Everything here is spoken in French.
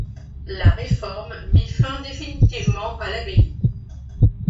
La Réforme mit fin définitivement à l'abbaye.